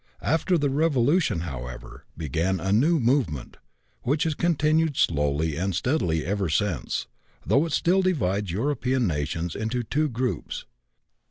After the Revolution, however, began a new movement, which has continued slowly and steadily ever since, though it still divides European nations into two groups.